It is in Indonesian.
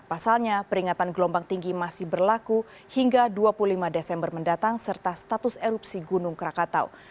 pasalnya peringatan gelombang tinggi masih berlaku hingga dua puluh lima desember mendatang serta status erupsi gunung krakatau